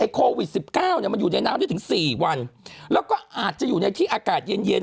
โควิด๑๙มันอยู่ในน้ำได้ถึง๔วันแล้วก็อาจจะอยู่ในที่อากาศเย็นเย็น